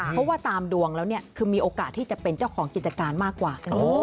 เพราะว่าตามดวงแล้วเนี่ยคือมีโอกาสที่จะเป็นเจ้าของกิจการมากกว่า